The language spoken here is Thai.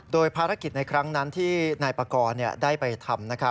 โดยภารกิจในครั้งนั้นที่นายปากรได้ไปทำ